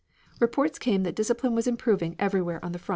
Reports came that discipline was improving everywhere on the front.